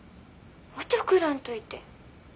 おちょくらんといて。